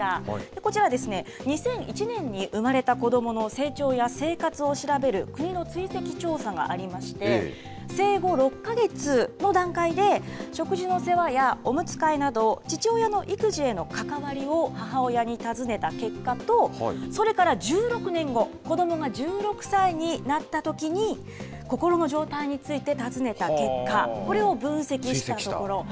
こちら、２００１年に生まれた子どもの成長や生活を調べる国の追跡調査がありまして、生後６か月の段階で、食事の世話やおむつ替えなど、父親の育児への関わりを母親に尋ねた結果と、それから１６年後、子どもが１６歳になったときに、ココロの状態について尋ねた結果、これを分析したところ。